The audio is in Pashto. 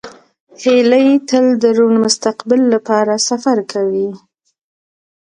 هیلۍ تل د روڼ مستقبل لپاره سفر کوي